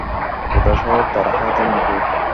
গোটা শহর তার হাতের মুঠোয়।